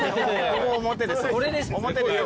ここ表です。